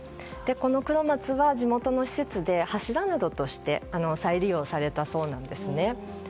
このクロマツは地元の施設で柱などとして再利用されたそうなんですね。